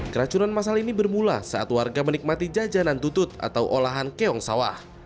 keracunan masal ini bermula saat warga menikmati jajanan tutut atau olahan keong sawah